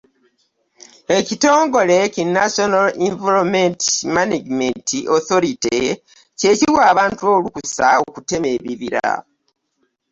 Ekitongole ki National Environment Management Authority ky'ekiwa abantu olukusa okutema ebibira.